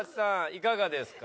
いかがですか？